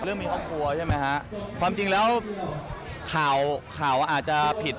เรื่องมีครอบครัวใช่ไหมครับความจริงแล้วข่าวอาจจะผิด